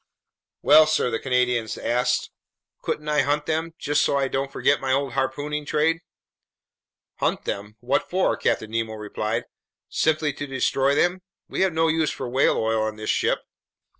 "Well, sir," the Canadian asked, "couldn't I hunt them, just so I don't forget my old harpooning trade?" "Hunt them? What for?" Captain Nemo replied. "Simply to destroy them? We have no use for whale oil on this ship."